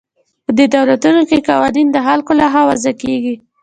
په دې دولتونو کې قوانین د خلکو له خوا وضع کیږي.